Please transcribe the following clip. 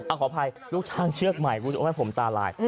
อ้าวขออภัยลูกช้างเชือกใหม่ผมตาลาย